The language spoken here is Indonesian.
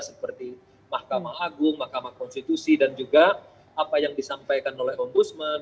seperti mahkamah agung mahkamah konstitusi dan juga apa yang disampaikan oleh ombudsman